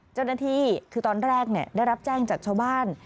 เจ้าหน้าที่คือตอนแรกได้รับแจ้งจากชาวบ้าน